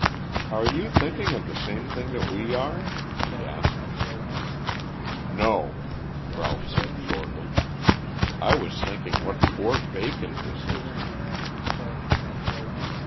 "Are you thinking of the same thing that we are?" she asked. "No," Ralph said shortly. "I was thinking what poor bacon this is."